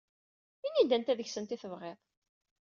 Ini-d anta deg-sent ay tebɣiḍ.